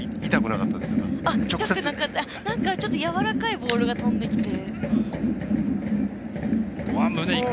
なんかちょっとやわらかいボールが飛んできて。